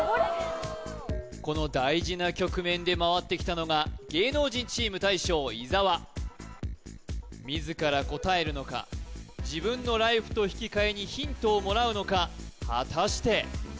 この大事な局面で回ってきたのが芸能人チーム大将・伊沢自ら答えるのか自分のライフと引き換えにヒントをもらうのか果たして？